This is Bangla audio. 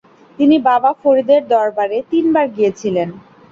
তিনি বাবা ফরিদের দরবারে তিনবার গিয়েছিলেন।